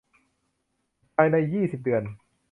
ภายใน ยี่สิบ เดือน